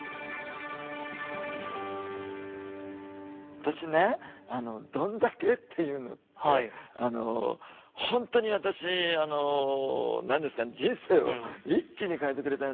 私ね「どんだけ」っていうのって本当に私あの何ですか人生を一気に変えてくれたような気がするんですね。